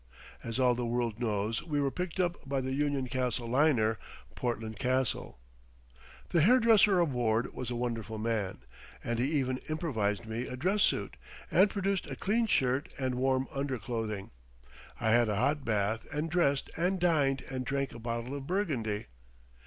As all the world knows we were picked up by the Union Castle liner, Portland Castle. The hairdresser aboard was a wonderful man, and he even improvised me a dress suit, and produced a clean shirt and warm underclothing. I had a hot bath, and dressed and dined and drank a bottle of Burgundy.